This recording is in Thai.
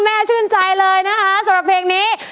แม่ชื่นใจเลยนะคะสำหรับเพลงนี้